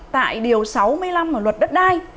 tại điều sáu mươi năm luật đất đai